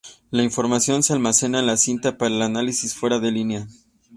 La información se almacena en la cinta para el análisis fuera de línea.